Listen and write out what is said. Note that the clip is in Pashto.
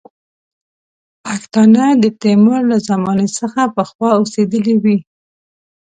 پښتانه د تیمور له زمانې څخه پخوا اوسېدلي وي.